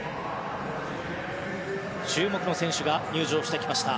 注目の選手が入場してきました。